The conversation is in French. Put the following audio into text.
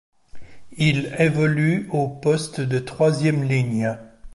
Il évolue au poste de troisième ligne.